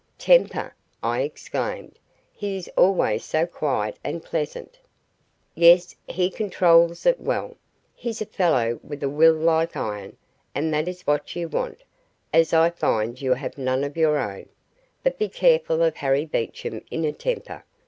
"Temper!" I exclaimed. "He is always so quiet and pleasant." "Yes, he controls it well. He's a fellow with a will like iron, and that is what you want, as I find you have none of your own. But be careful of Harry Beecham in a temper.